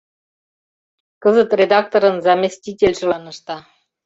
Кызыт редакторын заместительжылан ышта.